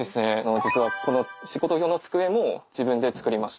実はこの仕事用の机も自分で作りました。